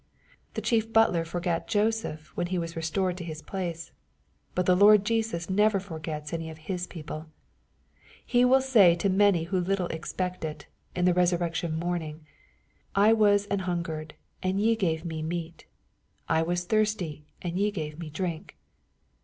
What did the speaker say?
The chief butler forgat Joseph, when he was restored to his place. But the Lord Jesus never forgets any of His people He will say to many who little expect it, in the resurrection morning, " I wag an hungered, and ye gave me meat : I was thirsty, and jre gave me drink."